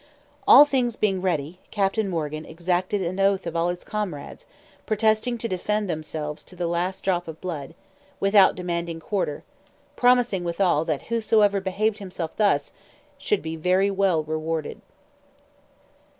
All things being ready, Captain Morgan exacted an oath of all his comrades, protesting to defend themselves to the last drop of blood, without demanding quarter; promising withal, that whosoever behaved himself thus, should be very well rewarded.